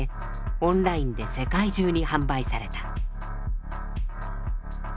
オンラインで世界中に販売された。